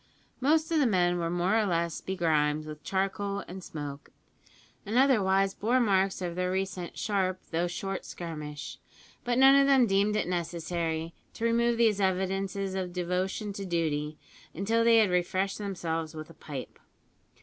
Most of the men were more or less begrimed with charcoal and smoke, and otherwise bore marks of their recent sharp though short skirmish, but none of them deemed it necessary to remove these evidences of devotion to duty until they had refreshed themselves with a pipe.